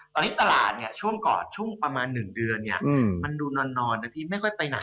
ตอนนี้ตลาดช่วงก่อนประมาณ๑เดือนมันดูนอนไม่ค่อยไปไหน